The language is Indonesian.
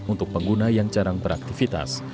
untuk pengguna yang jarang beraktivitas